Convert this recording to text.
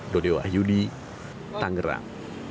dodeo ayudi tanggerang